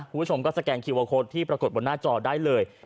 คุณผู้ชมก็สแกนคิววาโค้ดที่ปรากฏบนหน้าจอได้เลย